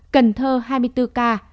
cần thơ hai mươi bốn ca